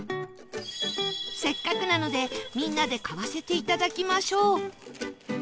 せっかくなのでみんなで買わせていただきましょう